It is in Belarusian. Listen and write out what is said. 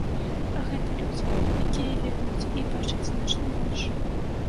Гэта людзі, якія ведаюць і бачаць значна больш.